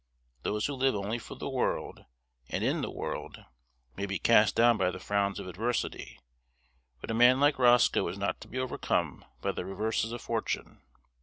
Those who live only for the world, and in the world, may be cast down by the frowns of adversity; but a man like Roscoe is not to be overcome by the reverses of fortune.